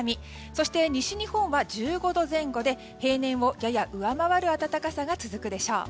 そして西日本は１５度前後で平年をやや上回る暖かさが続くでしょう。